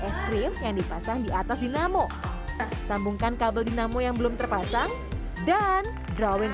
es krim yang dipasang di atas dinamo sambungkan kabel dinamo yang belum terpasang dan grawing